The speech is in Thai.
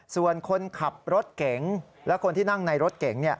ส่วนคนขับรถเก๋งและคนที่นั่งในรถเก๋ง